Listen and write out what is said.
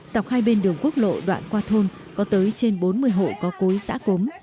dọc hai bên đường quốc lộ đoạn qua thôn có tới trên bốn mươi hộ có cối xã cốm